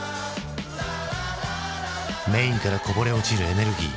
メインからこぼれ落ちるエネルギー。